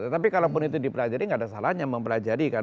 tapi kalaupun itu dipelajari enggak ada salahnya mempelajari kan